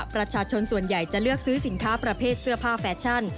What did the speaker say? ประชาชนส่วนใหญ่จะเลือกซื้อสินค้าประเภทเสื้อผ้าแฟชั่น